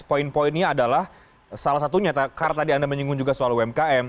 poin poinnya adalah salah satunya karena tadi anda menyinggung juga soal umkm